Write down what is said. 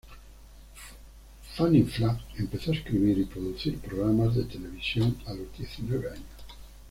Fannie Flagg empezó a escribir y producir programas de televisión a los diecinueve años.